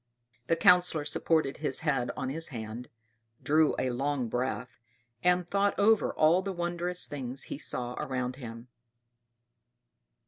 The Councillor supported his head on his hand, drew a long breath, and thought over all the wondrous things he saw around him.